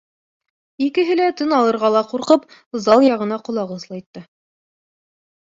Икеһе лә, тын алырға ла ҡурҡып, зал яғына ҡолаҡ ослайтты.